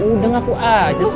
udah ngaku aja sih